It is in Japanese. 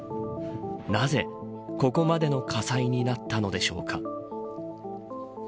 なぜここまでの火災になったのでしょうか。